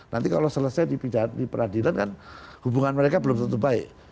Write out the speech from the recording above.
nanti kalau selesai di peradilan kan hubungan mereka belum tentu baik